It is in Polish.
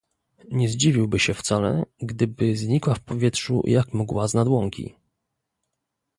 "Nie zdziwiłby się wcale, gdyby znikła w powietrzu, jak mgła z nad łąki."